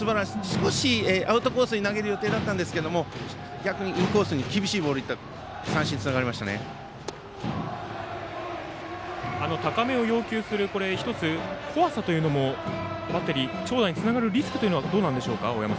少しアウトコースに投げる予定だったんですけれども逆にインコースに厳しいボールがいって高めを要求する怖さというのもバッテリー、長打につながるリスクはどうなんでしょうか？